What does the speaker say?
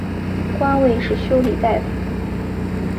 官位是修理大夫。